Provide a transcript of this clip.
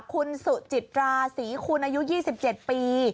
คุณสุจิตราศรีคุณอายุ๒๗ปี